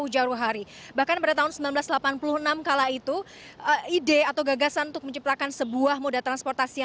silahkan mila dengan informasinya